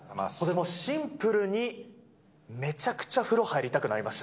シンプルにめちゃくちゃ風呂入りたくなりました。